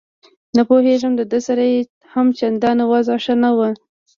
نه پوهېږم ده سره یې هم چندان وضعه ښه نه وه.